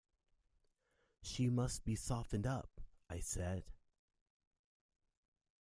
"She must be softened up," I said.